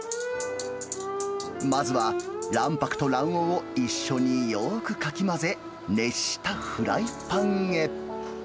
まずは卵白と卵黄を一緒によーくかき混ぜ、熱したフライパンへ。